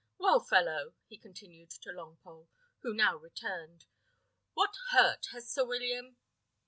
Well, fellow!" he continued to Longpole, who now returned, "what hurt has Sir William?"